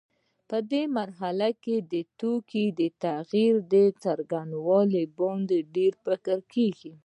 په دې مرحله کې د توکو د تغییر پر څرنګوالي باندې ډېر فکر کېږي.